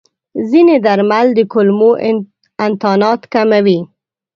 ځینې درمل د کولمو انتانات کموي.